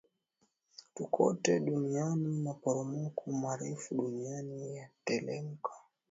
tu kote dunianiMaporomoko marefu duniani yatelemka